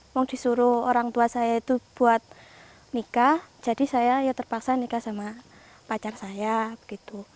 mau disuruh orang tua saya itu buat nikah jadi saya ya terpaksa nikah sama pacar saya begitu